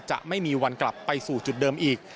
จะไม่มีวันกลับไปสู่จุดเดิมอีก